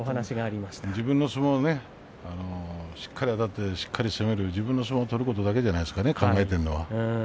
自分の相撲をあたってしっかり攻める自分の相撲を取ることだけじゃないですか、考えているのは。